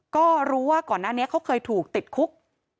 ก็รู้ว่าก่อนหน้านี้เขาเคยถูกติดคุก